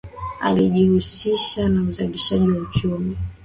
Alijihusisha kwa uzalishaji wa uchumi